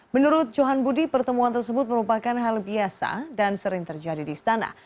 menurut johan budi pertemuan tersebut merupakan hal biasa dan sering terjadi di istana